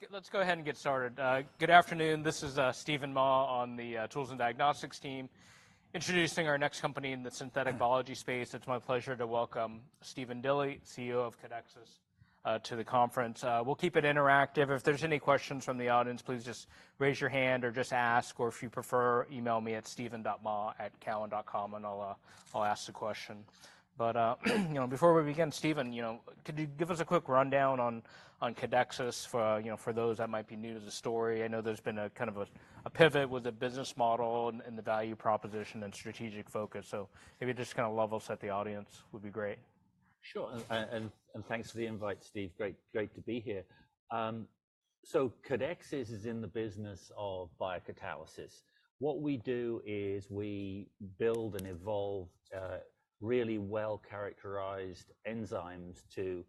All right. Let's go ahead and get started. Good afternoon. This is Steven Mah on the Tools and Diagnostics team, introducing our next company in the synthetic biology space. It's my pleasure to welcome Stephen Dilly, CEO of Codexis, to the conference. We'll keep it interactive. If there's any questions from the audience, please just raise your hand or just ask, or if you prefer, email me at stephen.mah@cowen.com and I'll ask the question. But you know, before we begin, Stephen, you know, could you give us a quick rundown on Codexis for you know, for those that might be new to the story? I know there's been a kind of a pivot with the business model and the value proposition and strategic focus. So maybe just kind of level set the audience would be great. Sure. And thanks for the invite, Steve. Great, great to be here. So Codexis is in the business of biocatalysis. What we do is we build and evolve really well-characterized enzymes to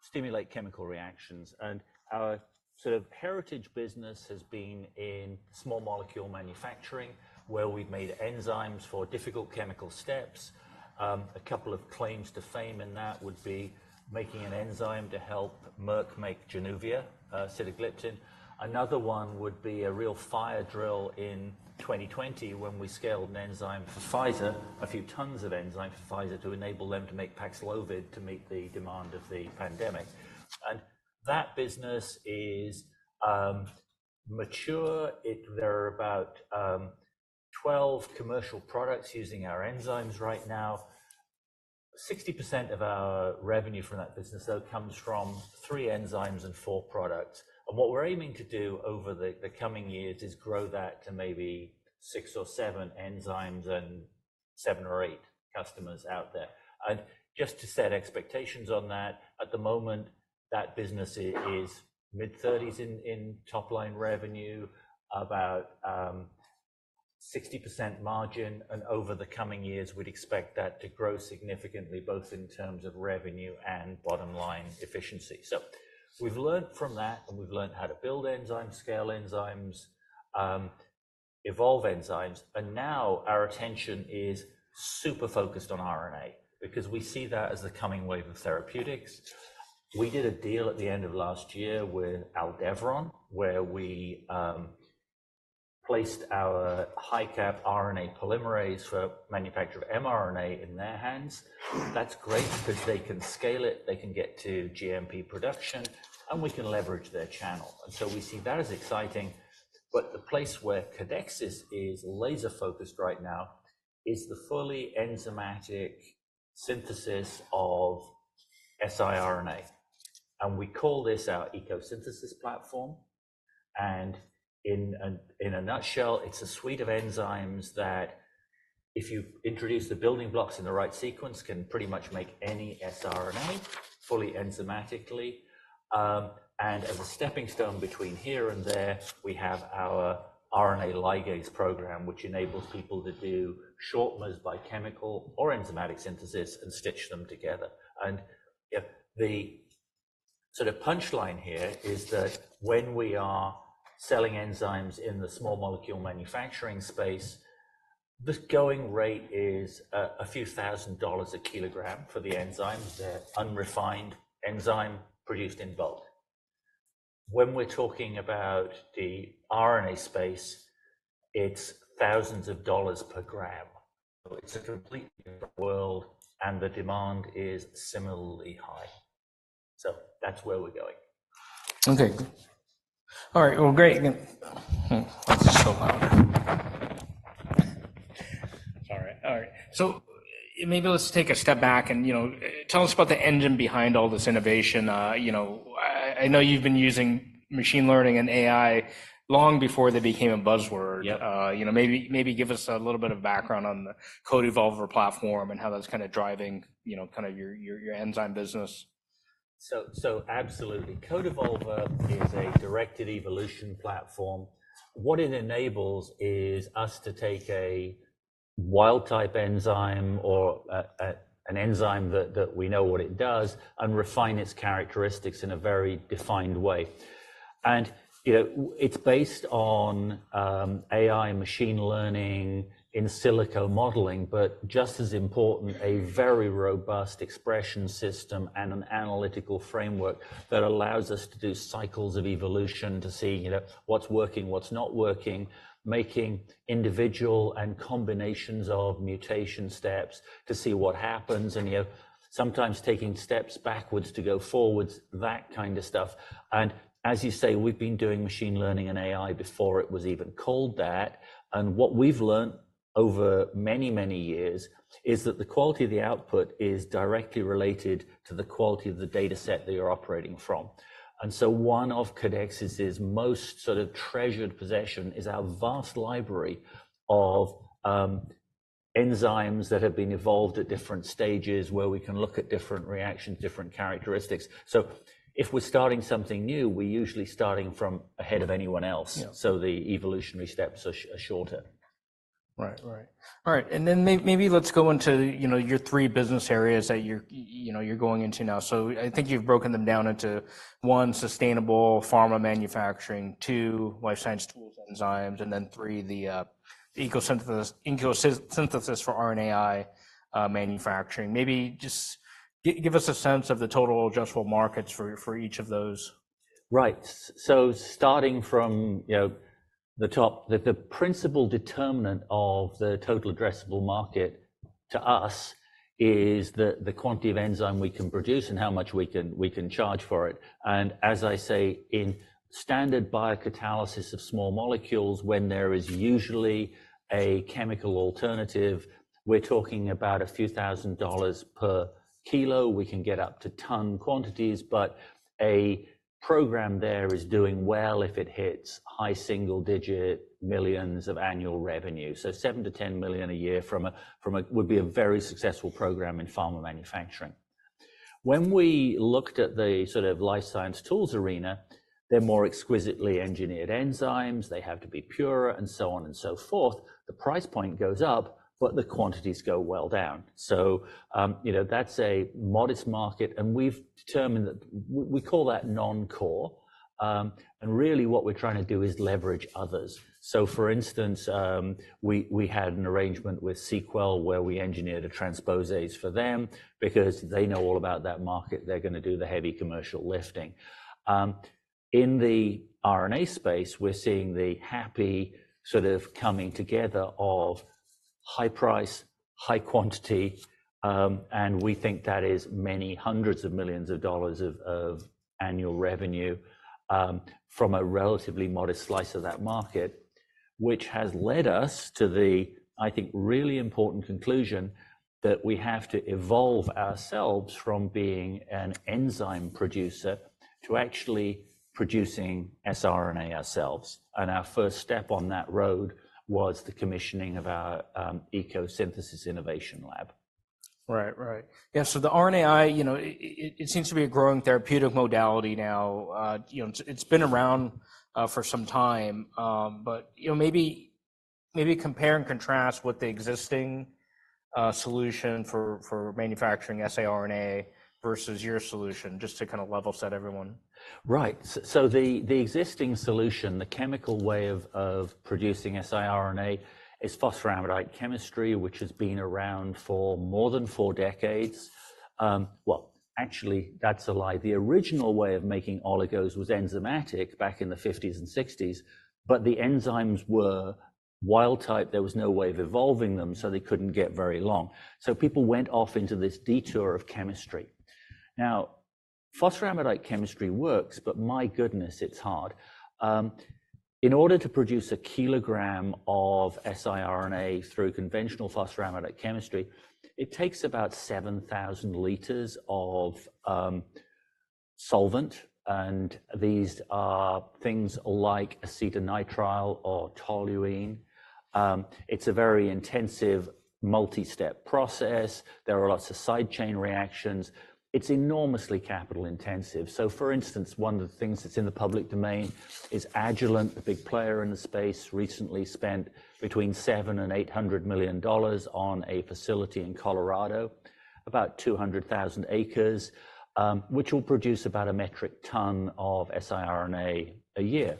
stimulate chemical reactions. And our sort of heritage business has been in small molecule manufacturing, where we've made enzymes for difficult chemical steps. A couple of claims to fame in that would be making an enzyme to help Merck make Januvia, sitagliptin. Another one would be a real fire drill in 2020 when we scaled an enzyme for Pfizer, a few tons of enzyme for Pfizer, to enable them to make Paxlovid to meet the demand of the pandemic. And that business is mature. There are about 12 commercial products using our enzymes right now. 60% of our revenue from that business, though, comes from three enzymes and four products. What we're aiming to do over the coming years is grow that to maybe six or seven enzymes and seven or eight customers out there. Just to set expectations on that, at the moment, that business is mid-30s in top-line revenue, about 60% margin. Over the coming years, we'd expect that to grow significantly, both in terms of revenue and bottom-line efficiency. So we've learned from that, and we've learned how to build enzymes, scale enzymes, evolve enzymes. And now our attention is super-focused on RNA because we see that as the coming wave of therapeutics. We did a deal at the end of last year with Aldevron, where we placed our HiCap RNA polymerase for manufacture of mRNA in their hands. That's great because they can scale it. They can get to GMP production. And we can leverage their channel. We see that as exciting. But the place where Codexis is laser-focused right now is the fully enzymatic synthesis of siRNA. We call this our ECO Synthesis platform. In a nutshell, it's a suite of enzymes that, if you introduce the building blocks in the right sequence, can pretty much make any siRNA fully enzymatically. As a stepping stone between here and there, we have our RNA ligase program, which enables people to do short-mers by chemical or enzymatic synthesis and stitch them together. You know, the sort of punchline here is that when we are selling enzymes in the small molecule manufacturing space, the going rate is a few thousand dollars a kilogram for the enzymes. They're unrefined enzyme produced in bulk. When we're talking about the RNA space, it's thousands of dollars per gram. So it's a completely different world, and the demand is similarly high. So that's where we're going. Okay. All right. Well, great. That's so loud. Sorry. All right. So maybe let's take a step back and, you know, tell us about the engine behind all this innovation. You know, I, I know you've been using machine learning and AI long before they became a buzzword. You know, maybe, maybe give us a little bit of background on the CodeEvolver® platform and how that's kind of driving, you know, kind of your, your, your enzyme business. So absolutely. CodeEvolver is a directed evolution platform. What it enables is us to take a wild-type enzyme or an enzyme that we know what it does and refine its characteristics in a very defined way. And, you know, it's based on AI, machine learning, in silico modeling, but just as important, a very robust expression system and an analytical framework that allows us to do cycles of evolution to see, you know, what's working, what's not working, making individual and combinations of mutation steps to see what happens, and, you know, sometimes taking steps backwards to go forwards, that kind of stuff. And as you say, we've been doing machine learning and AI before it was even called that. What we've learned over many, many years is that the quality of the output is directly related to the quality of the dataset that you're operating from. And so one of Codexis's most sort of treasured possessions is our vast library of enzymes that have been evolved at different stages where we can look at different reactions, different characteristics. So if we're starting something new, we're usually starting from ahead of anyone else. So the evolutionary steps are shorter. Right. Right. All right. And then maybe let's go into, you know, your three business areas that you're, you know, you're going into now. So I think you've broken them down into one, sustainable pharma manufacturing; two, life science tools and enzymes; and then three, the ECO Synthesis for RNAi manufacturing. Maybe just give us a sense of the total addressable markets for each of those. Right. So starting from, you know, the top, the principal determinant of the total addressable market to us is the quantity of enzyme we can produce and how much we can charge for it. And as I say, in standard biocatalysis of small molecules, when there is usually a chemical alternative, we're talking about a few thousand dollars per kilo. We can get up to ton quantities, but a program there is doing well if it hits high single-digit millions of annual revenue. So $7 million-10 million a year from a would be a very successful program in pharma manufacturing. When we looked at the sort of life science tools arena, they're more exquisitely engineered enzymes. They have to be purer, and so on and so forth. The price point goes up, but the quantities go well down. So, you know, that's a modest market. And we've determined that we call that non-core. And really what we're trying to do is leverage others. So for instance, we had an arrangement with seqWell where we engineered a transposase for them because they know all about that market. They're going to do the heavy commercial lifting. In the RNA space, we're seeing the happy sort of coming together of high price, high quantity. And we think that is many hundreds of millions of dollars of annual revenue, from a relatively modest slice of that market, which has led us to the, I think, really important conclusion that we have to evolve ourselves from being an enzyme producer to actually producing siRNA ourselves. And our first step on that road was the commissioning of our ECO Synthesis Innovation Lab. Right. Right. Yeah. So the RNAi, you know, it seems to be a growing therapeutic modality now. You know, it's, it's been around for some time. But, you know, maybe, maybe compare and contrast what the existing solution for, for manufacturing siRNA versus your solution, just to kind of level set everyone. Right. So the existing solution, the chemical way of producing siRNA, is phosphoramidite chemistry, which has been around for more than four decades. Well, actually, that's a lie. The original way of making oligos was enzymatic back in the 1950s and 1960s, but the enzymes were wild-type. There was no way of evolving them, so they couldn't get very long. So people went off into this detour of chemistry. Now, phosphoramidite chemistry works, but my goodness, it's hard. In order to produce a kilogram of siRNA through conventional phosphoramidite chemistry, it takes about 7,000 L of solvent. And these are things like acetonitrile or toluene. It's a very intensive multi-step process. There are lots of side-chain reactions. It's enormously capital-intensive. So for instance, one of the things that's in the public domain is Agilent, the big player in the space, recently spent between $700 million-$800 million on a facility in Colorado, about 200,000 acres, which will produce about a metric ton of siRNA a year.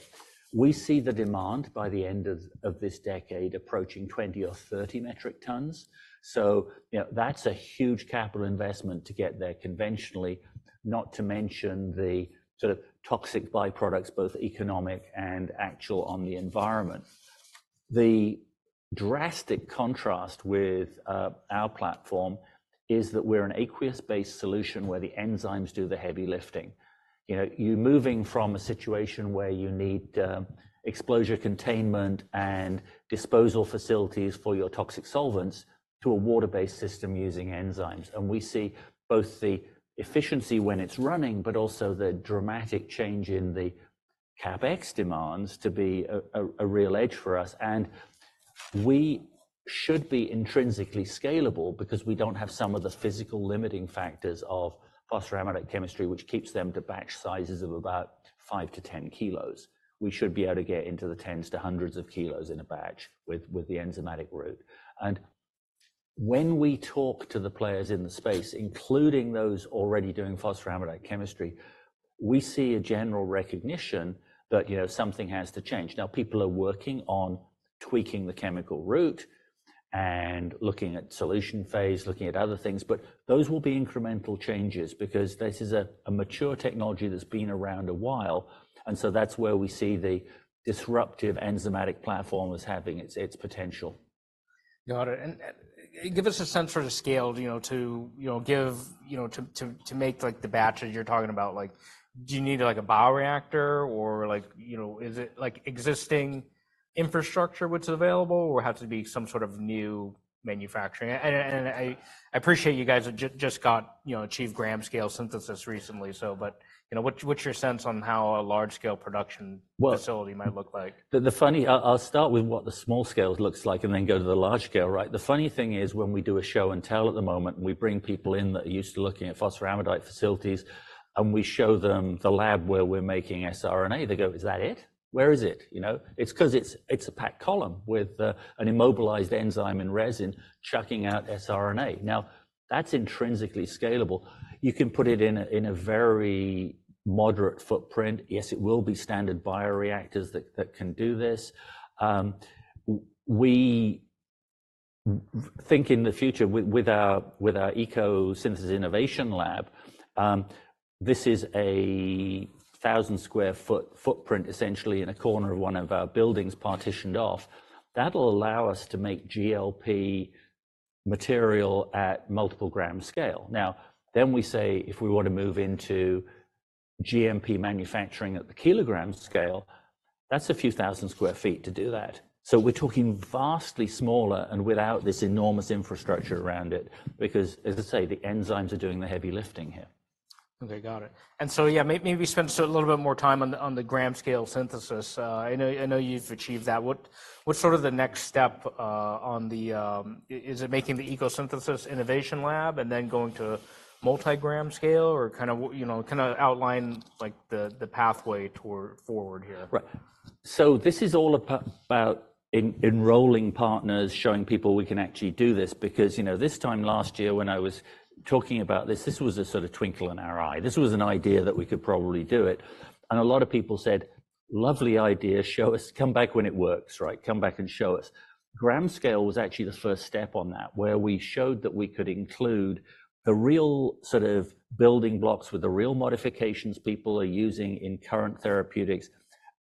We see the demand by the end of this decade approaching 20 or 30 metric tons. So, you know, that's a huge capital investment to get there conventionally, not to mention the sort of toxic byproducts, both economic and actual on the environment. The drastic contrast with our platform is that we're an aqueous-based solution where the enzymes do the heavy lifting. You know, you're moving from a situation where you need exposure containment and disposal facilities for your toxic solvents to a water-based system using enzymes. We see both the efficiency when it's running, but also the dramatic change in the CapEx demands to be a real edge for us. We should be intrinsically scalable because we don't have some of the physical limiting factors of phosphoramidite chemistry, which keeps them to batch sizes of about five to 10 kilos. We should be able to get into the tens to hundreds of kilos in a batch with the enzymatic route. When we talk to the players in the space, including those already doing phosphoramidite chemistry, we see a general recognition that, you know, something has to change. Now, people are working on tweaking the chemical route and looking at solution phase, looking at other things. But those will be incremental changes because this is a mature technology that's been around a while. And so that's where we see the disruptive enzymatic platform as having its, its potential. Got it. And give us a sense for the scale, you know, to make, like, the batches you're talking about, like, do you need, like, a bioreactor or, like, you know, is it, like, existing infrastructure which is available, or has it to be some sort of new manufacturing? And I appreciate you guys have just got, you know, achieved gram-scale synthesis recently, so, but, you know, what's your sense on how a large-scale production facility might look like? Well, I'll start with what the small scale looks like and then go to the large scale, right? The funny thing is when we do a show and tell at the moment, and we bring people in that are used to looking at phosphoramidite facilities, and we show them the lab where we're making siRNA, they go, "Is that it? Where is it?" You know, it's because it's a packed column with an immobilized enzyme in resin chucking out siRNA. Now, that's intrinsically scalable. You can put it in a very moderate footprint. Yes, it will be standard bioreactors that can do this. We think in the future with our ECO Synthesis innovation lab, this is a 1,000 sq ft footprint, essentially, in a corner of one of our buildings partitioned off. That'll allow us to make GLP material at multiple gram scale. Now, then we say if we want to move into GMP manufacturing at the kilogram scale, that's a few thousand sq ft to do that. So we're talking vastly smaller and without this enormous infrastructure around it because, as I say, the enzymes are doing the heavy lifting here. Okay. Got it. And so, yeah, maybe we spend a little bit more time on the, on the gram-scale synthesis. I know, I know you've achieved that. What's sort of the next step, on the, is it making the ECO Synthesis innovation lab and then going to multi-gram scale or kind of, you know, kind of outline, like, the, the pathway toward forward here? Right. So this is all about enrolling partners, showing people we can actually do this because, you know, this time last year when I was talking about this, this was a sort of twinkle in our eye. This was an idea that we could probably do it. And a lot of people said, "Lovely idea. Show us. Come back when it works, right? Come back and show us." Gram scale was actually the first step on that where we showed that we could include the real sort of building blocks with the real modifications people are using in current therapeutics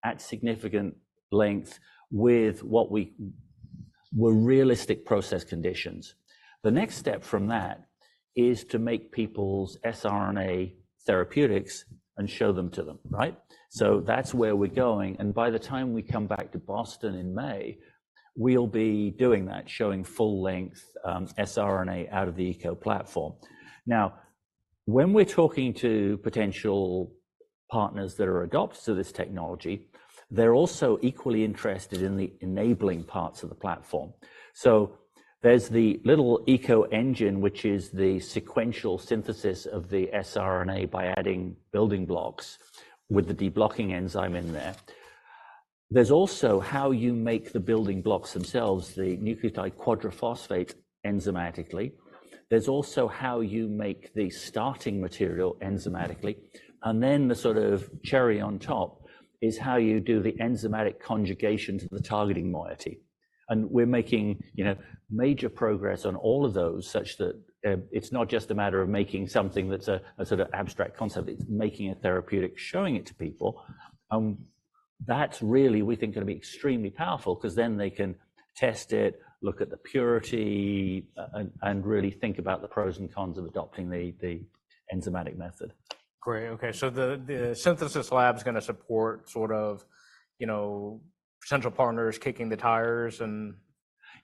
at significant length with what we were realistic process conditions. The next step from that is to make people's siRNA therapeutics and show them to them, right? So that's where we're going. And by the time we come back to Boston in May, we'll be doing that, showing full-length siRNA out of the ECO platform. Now, when we're talking to potential partners that are adopters of this technology, they're also equally interested in the enabling parts of the platform. So there's the little ECO engine, which is the sequential synthesis of the siRNA by adding building blocks with the deblocking enzyme in there. There's also how you make the building blocks themselves, the nucleotide quadriphosphate, enzymatically. There's also how you make the starting material enzymatically. And then the sort of cherry on top is how you do the enzymatic conjugation to the targeting moiety. And we're making, you know, major progress on all of those such that, it's not just a matter of making something that's a sort of abstract concept. It's making a therapeutic, showing it to people. That's really, we think, going to be extremely powerful because then they can test it, look at the purity, and really think about the pros and cons of adopting the enzymatic method. Great. Okay. So the synthesis lab's going to support sort of, you know, potential partners kicking the tires and.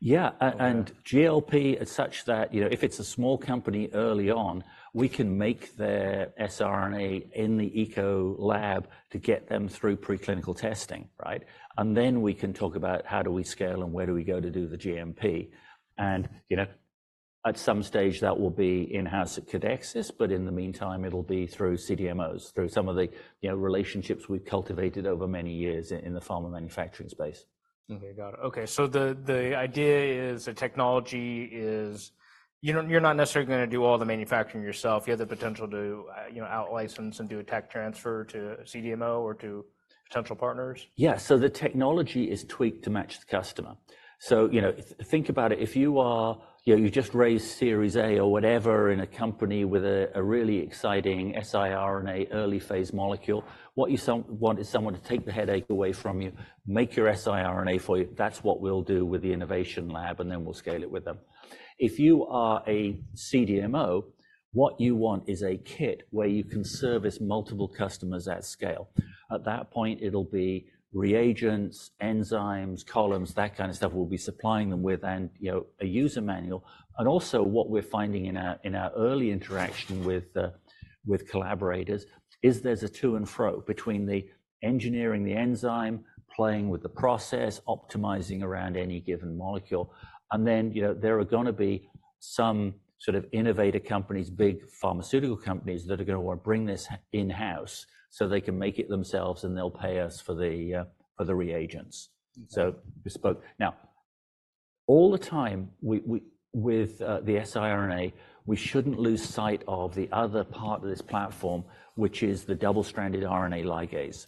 Yeah. And GLP as such that, you know, if it's a small company early on, we can make their siRNA in the ECO lab to get them through preclinical testing, right? And then we can talk about how do we scale and where do we go to do the GMP. And, you know, at some stage, that will be in-house at Codexis, but in the meantime, it'll be through CDMOs, through some of the, you know, relationships we've cultivated over many years in the pharma manufacturing space. Okay. Got it. Okay. So the idea is the technology is you're not necessarily going to do all the manufacturing yourself. You have the potential to, you know, outlicense and do a tech transfer to CDMO or to potential partners. Yeah. So the technology is tweaked to match the customer. So, you know, think about it. If you are, you know, you've just raised Series A or whatever in a company with a, a really exciting siRNA early-phase molecule, what you want is someone to take the headache away from you, make your siRNA for you. That's what we'll do with the innovation lab, and then we'll scale it with them. If you are a CDMO, what you want is a kit where you can service multiple customers at scale. At that point, it'll be reagents, enzymes, columns, that kind of stuff we'll be supplying them with, and, you know, a user manual. And also what we're finding in our, in our early interaction with, with collaborators is there's a to-and-fro between the engineering the enzyme, playing with the process, optimizing around any given molecule. And then, you know, there are going to be some sort of innovator companies, big pharmaceutical companies that are going to want to bring this in-house so they can make it themselves, and they'll pay us for the, for the reagents. So bespoke. Now, all the time, with the siRNA, we shouldn't lose sight of the other part of this platform, which is the double-stranded RNA ligase.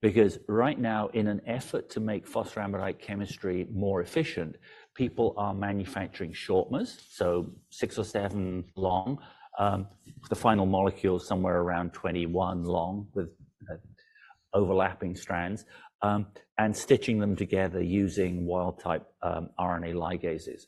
Because right now, in an effort to make phosphoramidite chemistry more efficient, people are manufacturing shortmers, so six or seven long, the final molecule somewhere around 21 long with overlapping strands, and stitching them together using wild-type RNA ligases.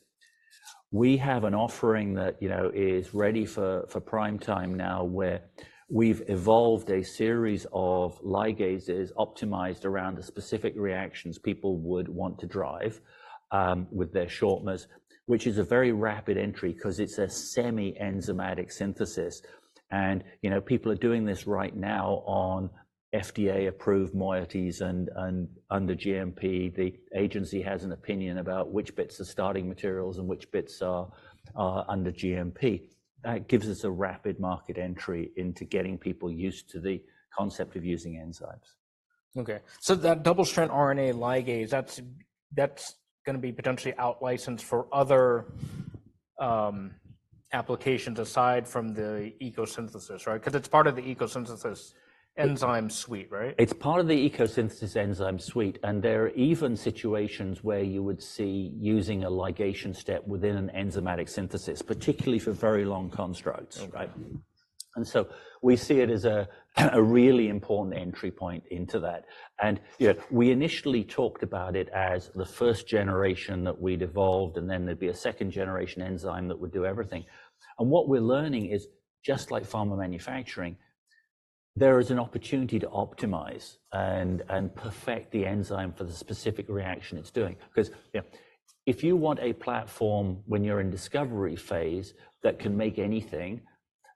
We have an offering that, you know, is ready for prime time now where we've evolved a series of ligases optimized around the specific reactions people would want to drive, with their shortmers, which is a very rapid entry because it's a semi-enzymatic synthesis. And, you know, people are doing this right now on FDA-approved moieties and under GMP. The agency has an opinion about which bits are starting materials and which bits are under GMP. That gives us a rapid market entry into getting people used to the concept of using enzymes. Okay. So that double-stranded RNA ligase, that's, that's going to be potentially outlicensed for other applications aside from the ECO Synthesis, right? Because it's part of the ECO Synthesis enzyme suite, right? It's part of the ECO Synthesis enzyme suite. And there are even situations where you would see using a ligation step within an enzymatic synthesis, particularly for very long constructs, right? And so we see it as a, a really important entry point into that. And, you know, we initially talked about it as the first generation that we'd evolved, and then there'd be a second generation enzyme that would do everything. And what we're learning is just like pharma manufacturing, there is an opportunity to optimize and, and perfect the enzyme for the specific reaction it's doing. Because, you know, if you want a platform when you're in discovery phase that can make anything,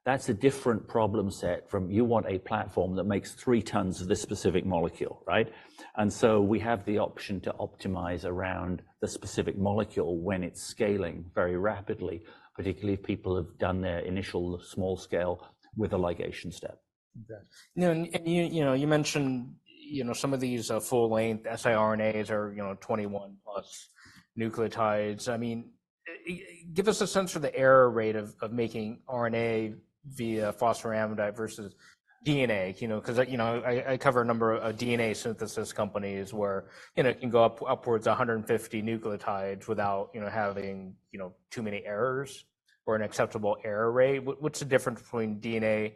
that's a different problem set from you want a platform that makes three tons of this specific molecule, right? And so we have the option to optimize around the specific molecule when it's scaling very rapidly, particularly if people have done their initial small scale with a ligation step. Okay, you know, you mentioned, you know, some of these full-length siRNAs are, you know, 21+ nucleotides. I mean, give us a sense of the error rate of making RNA via phosphoramidite versus DNA, you know, because, you know, I cover a number of DNA synthesis companies where, you know, it can go upwards of 150 nucleotides without, you know, having, you know, too many errors or an acceptable error rate. What's the difference between DNA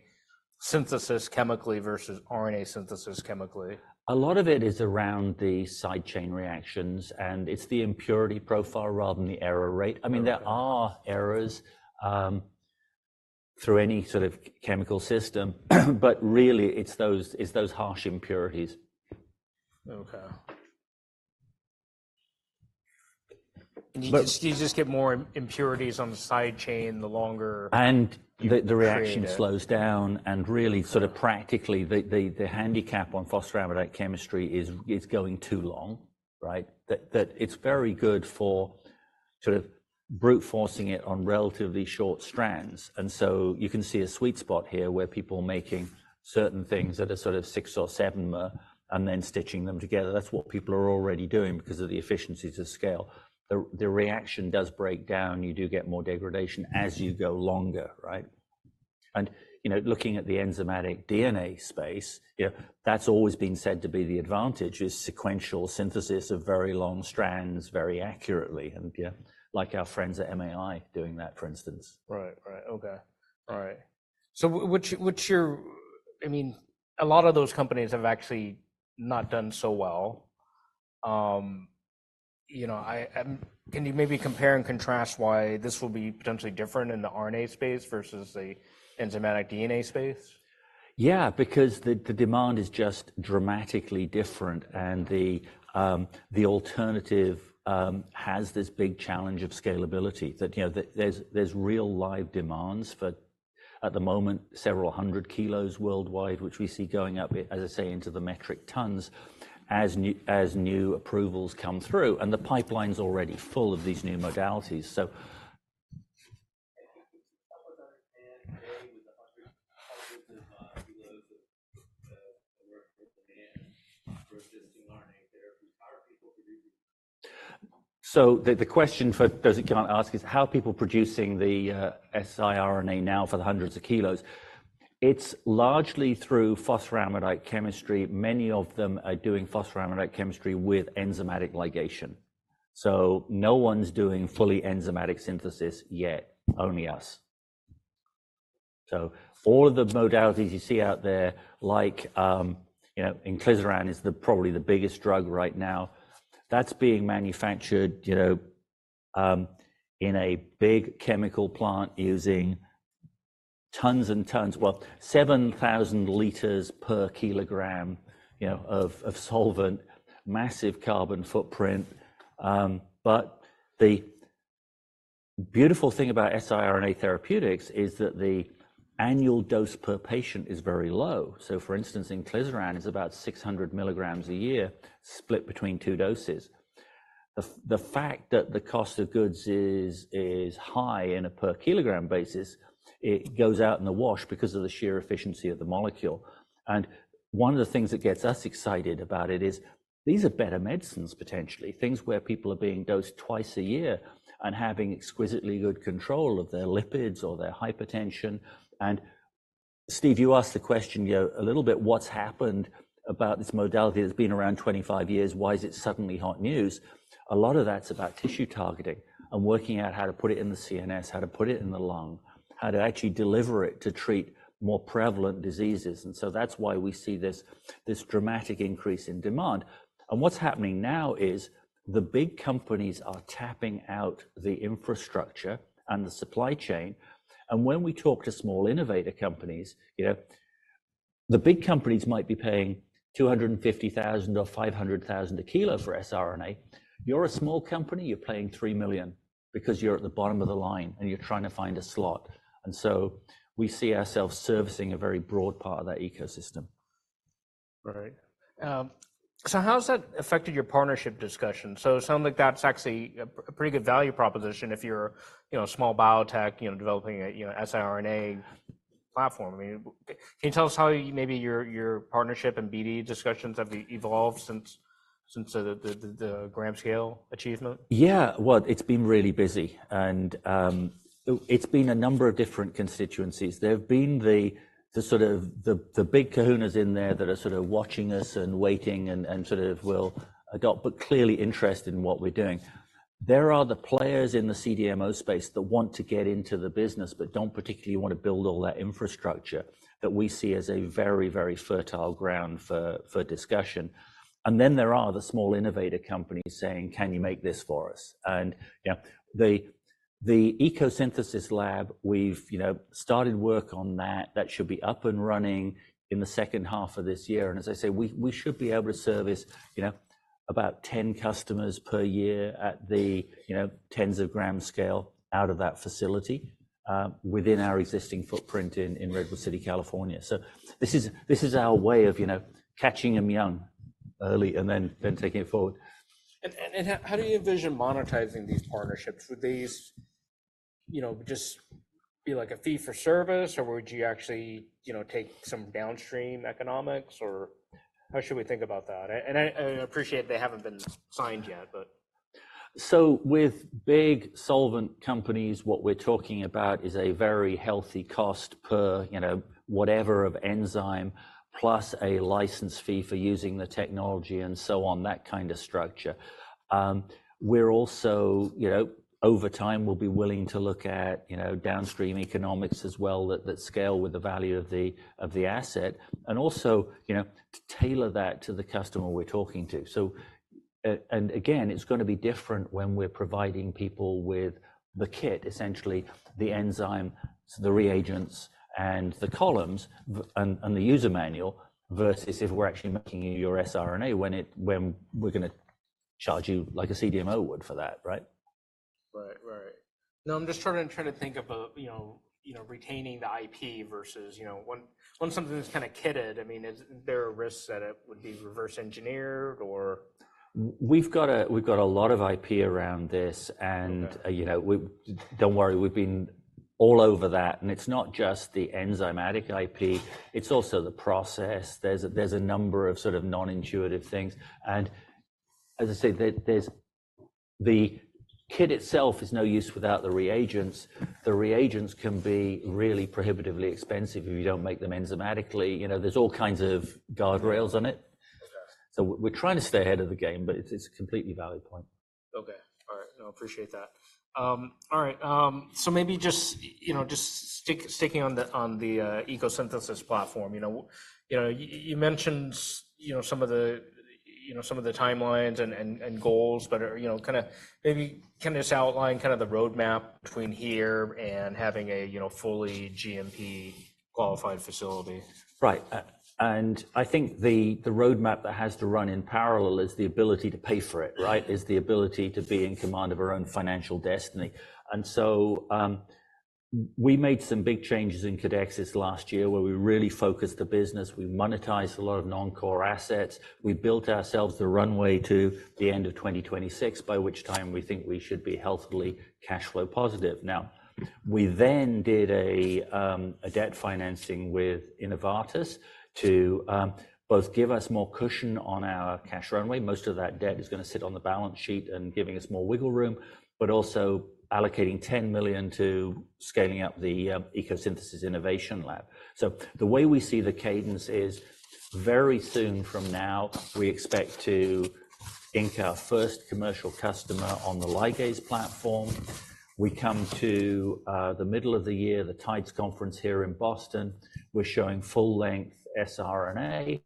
synthesis chemically versus RNA synthesis chemically? A lot of it is around the side chain reactions, and it's the impurity profile rather than the error rate. I mean, there are errors, through any sort of chemical system, but really it's those, it's those harsh impurities. Okay. You just, you just get more impurities on the side chain the longer. And the reaction slows down. And really sort of practically, the handicap on phosphoramidite chemistry is going too long, right? That it's very good for sort of brute-forcing it on relatively short strands. And so you can see a sweet spot here where people are making certain things that are sort of six or seven mer and then stitching them together. That's what people are already doing because of the efficiencies of scale. The reaction does break down. You do get more degradation as you go longer, right? And, you know, looking at the enzymatic DNA space, you know, that's always been said to be the advantage is sequential synthesis of very long strands very accurately. And, you know, like our friends at MAI doing that, for instance. Right. Right. Okay. All right. So, what's your, I mean, a lot of those companies have actually not done so well, you know. Can you maybe compare and contrast why this will be potentially different in the RNA space versus the enzymatic DNA space? Yeah, because the demand is just dramatically different. And the alternative has this big challenge of scalability that, you know, there's real live demands for at the moment, several hundred kilos worldwide, which we see going up, as I say, into the metric tons as new approvals come through. And the pipeline's already full of these new modalities. So the question for those who can't ask is how people producing the siRNA now for the hundreds of kilos. It's largely through phosphoramidite chemistry. Many of them are doing phosphoramidite chemistry with enzymatic ligation. So no one's doing fully enzymatic synthesis yet, only us. So all of the modalities you see out there, like, you know, inclisiran is probably the biggest drug right now. That's being manufactured, you know, in a big chemical plant using tons and tons, well, 7,000 L per kg, you know, of, of solvent, massive carbon footprint. But the beautiful thing about siRNA therapeutics is that the annual dose per patient is very low. So, for instance, inclisiran is about 600 mg a year split between two doses. The, the fact that the cost of goods is, is high in a per kilogram basis, it goes out in the wash because of the sheer efficiency of the molecule. And one of the things that gets us excited about it is these are better medicines, potentially, things where people are being dosed twice a year and having exquisitely good control of their lipids or their hypertension. And Steve, you asked the question, you know, a little bit what's happened about this modality that's been around 25 years. Why is it suddenly hot news? A lot of that's about tissue targeting and working out how to put it in the CNS, how to put it in the lung, how to actually deliver it to treat more prevalent diseases. And so that's why we see this, this dramatic increase in demand. And what's happening now is the big companies are tapping out the infrastructure and the supply chain. And when we talk to small innovator companies, you know, the big companies might be paying $250,000 or $500,000 a kilo for siRNA. You're a small company. You're paying $3 million because you're at the bottom of the line and you're trying to find a slot. And so we see ourselves servicing a very broad part of that ecosystem. Right. So how's that affected your partnership discussion? So it sounds like that's actually a pretty good value proposition if you're, you know, a small biotech, you know, developing a, you know, siRNA platform. I mean, can you tell us how maybe your partnership and BD discussions have evolved since the gram scale achievement? Yeah. Well, it's been really busy. It's been a number of different constituencies. There've been the sort of big kahunas in there that are sort of watching us and waiting and sort of will adopt, but clearly interested in what we're doing. There are the players in the CDMO space that want to get into the business but don't particularly want to build all that infrastructure that we see as a very, very fertile ground for discussion. And then there are the small innovator companies saying, "Can you make this for us?" And, you know, the ECO Synthesis lab, we've, you know, started work on that. That should be up and running in the second half of this year. As I say, we should be able to service, you know, about 10 customers per year at the, you know, tens of grams scale out of that facility, within our existing footprint in Redwood City, California. This is our way of, you know, catching them young, early, and then taking it forward. How do you envision monetizing these partnerships? Would these, you know, just be like a fee for service, or would you actually, you know, take some downstream economics, or how should we think about that? I appreciate they haven't been signed yet, but. So with big solvent companies, what we're talking about is a very healthy cost per, you know, whatever of enzyme plus a license fee for using the technology and so on, that kind of structure. We're also, you know, over time, we'll be willing to look at, you know, downstream economics as well that scale with the value of the asset. And also, you know, to tailor that to the customer we're talking to. So, and again, it's going to be different when we're providing people with the kit, essentially the enzyme, the reagents, and the columns and the user manual versus if we're actually making you your siRNA when we're going to charge you like a CDMO would for that, right? Right. Right. No, I'm just trying to, trying to think of a, you know, you know, retaining the IP versus, you know, one, once something's kind of kitted, I mean, is there are risks that it would be reverse engineered or. We've got a lot of IP around this. And, you know, we don't worry. We've been all over that. And it's not just the enzymatic IP. It's also the process. There's a number of sort of non-intuitive things. And as I say, there's the kit itself is no use without the reagents. The reagents can be really prohibitively expensive if you don't make them enzymatically. You know, there's all kinds of guardrails on it. So we're trying to stay ahead of the game, but it's a completely valid point. Okay. All right. No, I appreciate that. All right. So maybe just, you know, just sticking on the ECO Synthesis platform, you know, you mentioned, you know, some of the timelines and goals, but, you know, kind of maybe can this outline kind of the roadmap between here and having a, you know, fully GMP qualified facility? Right. And I think the roadmap that has to run in parallel is the ability to pay for it, right? Is the ability to be in command of our own financial destiny. And so, we made some big changes in Codexis last year where we really focused the business. We monetized a lot of non-core assets. We built ourselves the runway to the end of 2026, by which time we think we should be healthily cash flow positive. Now, we then did a debt financing with Innovatus to both give us more cushion on our cash runway. Most of that debt is going to sit on the balance sheet and giving us more wiggle room, but also allocating $10 million to scaling up the ECO Synthesis innovation lab. So the way we see the cadence is very soon from now. We expect to ink our first commercial customer on the ligase platform. We come to the middle of the year, the TIDES Conference here in Boston. We're showing full-length siRNA.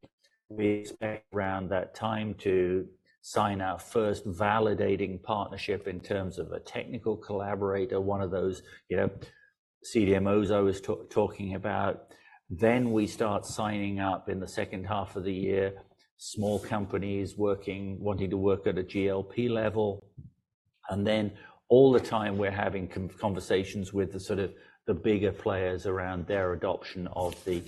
We expect around that time to sign our first validating partnership in terms of a technical collaborator, one of those, you know, CDMOs I was talking about. Then we start signing up in the second half of the year, small companies working, wanting to work at a GLP level. And then all the time we're having conversations with the sort of the bigger players around their adoption of the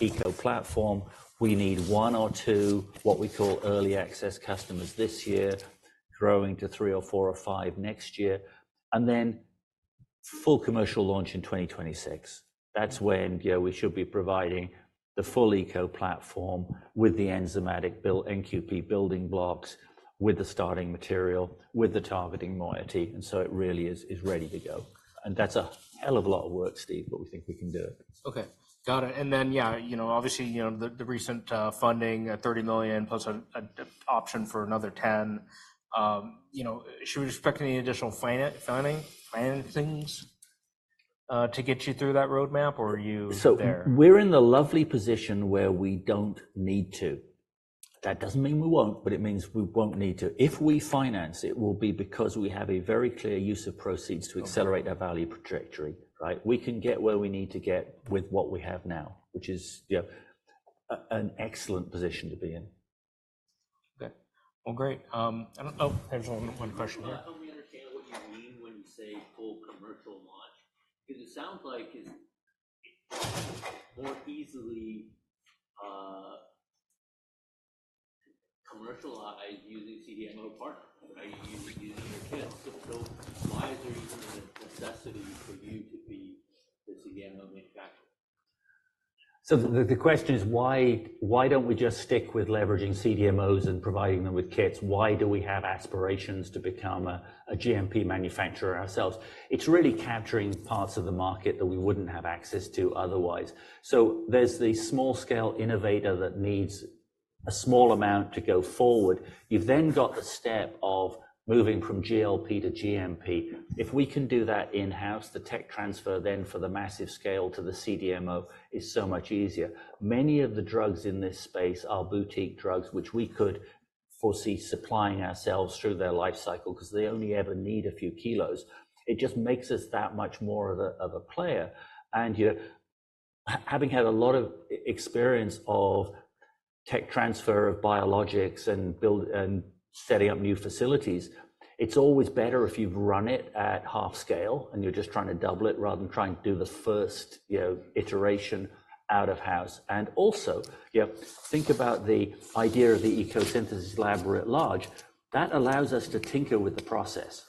ECO platform. We need one or two, what we call early access customers this year, growing to three or four or five next year. And then full commercial launch in 2026. That's when, you know, we should be providing the full ECO platform with the enzymatic build NQP building blocks, with the starting material, with the targeting moiety. So it really is ready to go. That's a hell of a lot of work, Steve, but we think we can do it. Okay. Got it. And then, yeah, you know, obviously, you know, the recent funding, $30 million+ an option for another $10 million, you know, should we expect any additional financing things to get you through that roadmap, or are you there? So we're in the lovely position where we don't need to. That doesn't mean we won't, but it means we won't need to. If we finance, it will be because we have a very clear use of proceeds to accelerate our value trajectory, right? We can get where we need to get with what we have now, which is, you know, an excellent position to be in. Okay. Well, great. I don't know. There's one, one question here. Help me understand what you mean when you say full commercial launch. Because it sounds like it's more easily, commercialized using CDMO partners, right? Using their kits. So why is there even a necessity for you to be the CDMO manufacturer? So the question is why don't we just stick with leveraging CDMOs and providing them with kits? Why do we have aspirations to become a GMP manufacturer ourselves? It's really capturing parts of the market that we wouldn't have access to otherwise. So there's the small-scale innovator that needs a small amount to go forward. You've then got the step of moving from GLP to GMP. If we can do that in-house, the tech transfer then for the massive scale to the CDMO is so much easier. Many of the drugs in this space are boutique drugs, which we could foresee supplying ourselves through their life cycle because they only ever need a few kilos. It just makes us that much more of a player. You know, having had a lot of experience of tech transfer of biologics and build and setting up new facilities, it's always better if you've run it at half scale and you're just trying to double it rather than trying to do the first, you know, iteration out of house. Also, you know, think about the idea of the ECO Synthesis lab at large. That allows us to tinker with the process.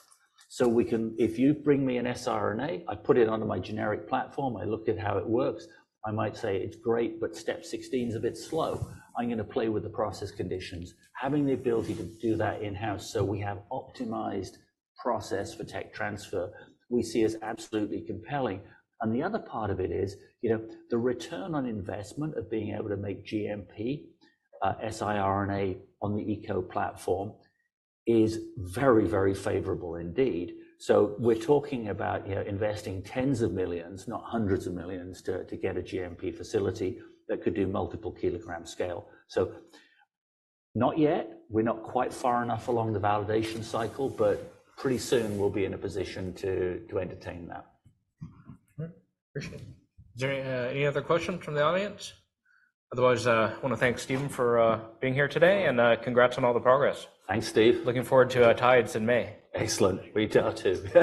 So we can, if you bring me an siRNA, I put it under my generic platform, I look at how it works. I might say it's great, but step 16's a bit slow. I'm going to play with the process conditions. Having the ability to do that in-house so we have optimized process for tech transfer we see as absolutely compelling. The other part of it is, you know, the return on investment of being able to make GMP siRNA on the ECO platform is very, very favorable indeed. We're talking about, you know, investing tens of millions, not hundreds of millions to, to get a GMP facility that could do multiple-kilogram scale. Not yet. We're not quite far enough along the validation cycle, but pretty soon we'll be in a position to, to entertain that. All right. Appreciate it. Is there any other questions from the audience? Otherwise, I want to thank Stephen for being here today and congrats on all the progress. Thanks, Steve. Looking forward to TIDES in May. Excellent. We do, too.